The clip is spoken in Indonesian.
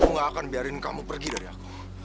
aku gak akan biarin kamu pergi dari aku